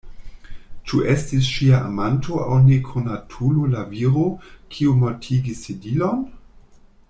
Ĉu estis ŝia amanto aŭ nekonatulo la viro, kiu mortigis Sedilon?